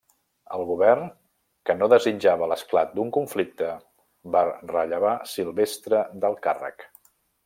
El govern, que no desitjava l'esclat d'un conflicte, va rellevar Silvestre del càrrec.